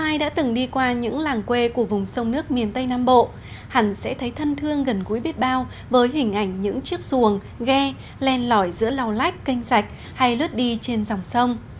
ai đã từng đi qua những làng quê của vùng sông nước miền tây nam bộ hẳn sẽ thấy thân thương gần gũi biết bao với hình ảnh những chiếc xuồng ghe len lỏi giữa lau lách canh sạch hay lướt đi trên dòng sông